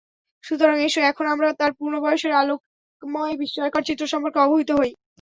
সুতরাং এসো এখন আমরা তাঁর পূর্ণ বয়সের আলোকময় বিস্ময়কর চিত্র সম্পকে অবহিত হই।